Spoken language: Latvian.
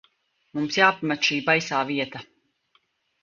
Mums jāpamet šī baisā vieta.